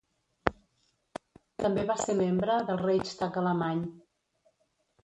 També va ser membre del Reichstag alemany.